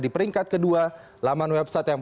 di peringkat kedua laman website yang